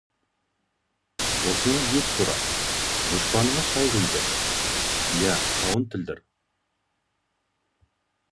Досыңа ет турат, дұшпаныңа шай құйдыр, ия қауын тілдір.